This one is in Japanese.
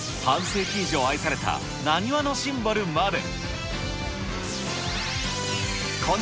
世紀以上愛された、なにわのシンボルまで。